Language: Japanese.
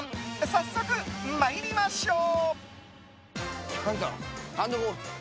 早速、参りましょう！